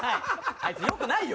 あいつ良くないよ。